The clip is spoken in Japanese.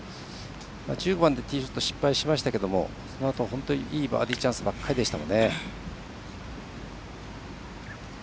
１５番でティーショット失敗しましたけどそのあとは、本当にいいバーディーチャンスばかりでしたからね。